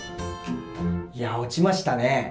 いや落ちましたね。